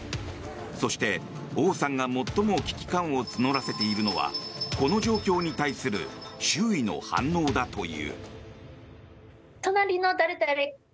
そしてオウさんが最も危機感を募らせているのはこの状況に対する周囲の反応だという。